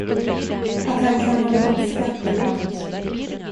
Att han kan ha begått skattebrott.